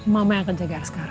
mama yang akan jagain askara